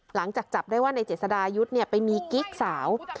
หลังจากจับได้ว่าในเจษดายุทธ์ไปมีกิ๊กสาว